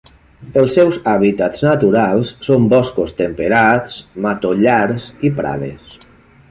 Els seus hàbitats naturals són boscos temperats, matollars i prades.